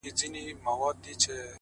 دا عجيبه شانې هنر دی زما زړه پر لمبو-